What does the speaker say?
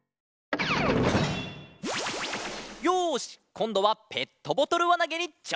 よしこんどはペットボトルわなげにちょうせんだ！